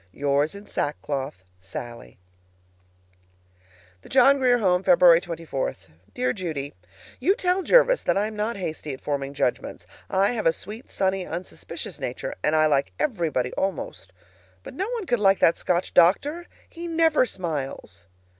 Yours in sackcloth, SALLIE. THE JOHN GRIER HOME, February 24. Dear Judy: You tell Jervis that I am not hasty at forming judgments. I have a sweet, sunny, unsuspicious nature, and I like everybody, almost. But no one could like that Scotch doctor. He NEVER smiles.